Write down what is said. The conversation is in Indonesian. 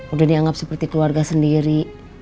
udah dianggap seperti keluarga sendiri